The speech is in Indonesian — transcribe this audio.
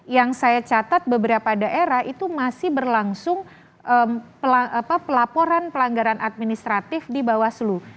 yang saya catat beberapa daerah itu masih berlangsung pelaporan pelanggaran administratif di bawaslu